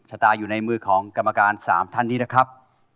ชะตาอยู่ในมือของกรรมการ๓ท่านนี้นะครับ